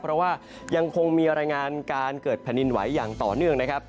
เพราะว่ายังคงมีรายงานการเกิดแผ่นดินไหวอย่างต่อเนื่องนะครับ